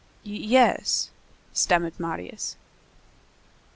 "Yes!" stammered Marius.